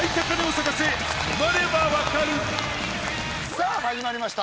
さぁ始まりました